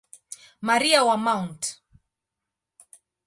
Maria wa Mt.